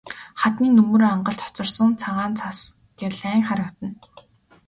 Хадны нөмөр ангалд хоцорсон цагаан цас гялайн харагдана.